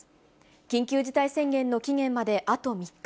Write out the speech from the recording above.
緊急事態宣言の期限まであと３日。